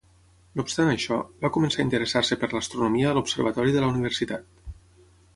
No obstant això, va començar a interessar-se per l'astronomia a l'observatori de la universitat.